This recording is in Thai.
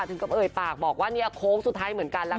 ถึงเอ๊ยปากบอกว่าเนี่ยโค้กสุดท้ายเหมือนกันล่ะ